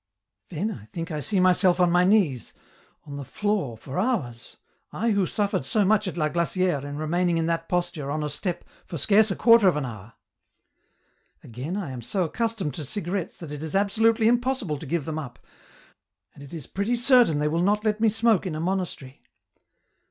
Then I think I see myself on my knees, on the floor lor hours, I who suffered so much at La Glaciere in remaining in that posture, on a step, for scarce a quarter of an hour. " Again, I am so accustomed to cigarettes that it is 120 EN ROUTE. absolutely impossible to give them up, and it is pretty certain they will not let me smoke in a monastery.